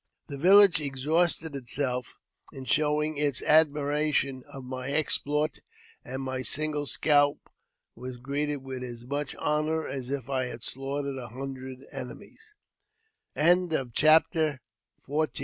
The village exhausted itself in showing its admiration of my exploit ; and my single scalp was greeted with as much honour as if I had slaughtered a hundred of